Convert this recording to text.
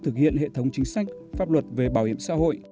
thực hiện hệ thống chính sách pháp luật về bảo hiểm xã hội